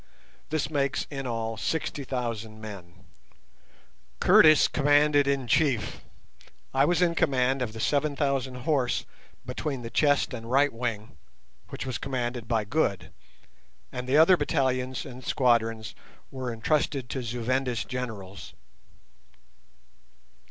This makes in all sixty thousand men. The Zu Vendi people do not use bows.—A. Q. Curtis commanded in chief, I was in command of the seven thousand horse between the chest and right wing, which was commanded by Good, and the other battalions and squadrons were entrusted to Zu Vendis generals.